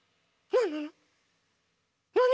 なに？